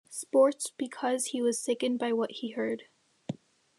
Sports because he was sickened by what he heard.